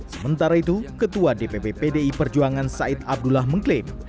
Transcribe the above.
sementara itu ketua dpp pdi perjuangan said abdullah mengklaim